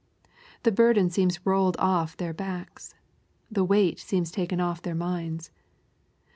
The burden seems rolled off their backs. The weight seems taken off their minds.